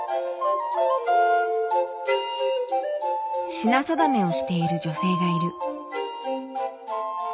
品定めをしている女性がいる。